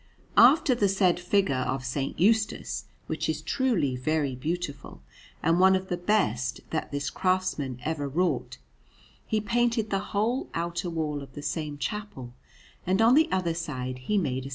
After the said figure of S. Eustace, which is truly very beautiful and one of the best that this craftsman ever wrought, he painted the whole outer wall of the same chapel; and on the other side he made a S.